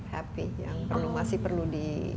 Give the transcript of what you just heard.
happy yang masih perlu di